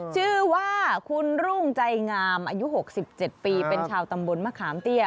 ชื่อว่าคุณรุ่งใจงามอายุ๖๗ปีเป็นชาวตำบลมะขามเตี้ย